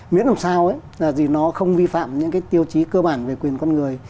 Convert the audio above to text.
miễn làm sao vì nó không vi phạm những tiêu chí cơ bản về quyền con người